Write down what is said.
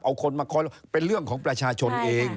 เอาคนมาคอยเป็นเรื่องของประชาชนเอง